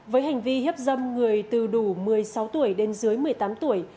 với hành vi hiếp dâm người từ đủ một mươi sáu tuổi đến dưới một mươi tám tuổi